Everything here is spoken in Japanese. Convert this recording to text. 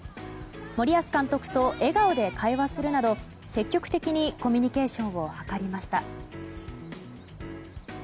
森保監督と笑顔で会話するなど積極的にコミュニケーションを図りました。